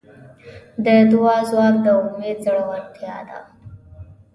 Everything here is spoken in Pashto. د دعا ځواک د امید زړورتیا ده.